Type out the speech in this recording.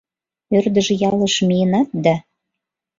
Ӧрдыж ялыш миенат да